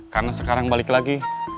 karena sekarang balik lagi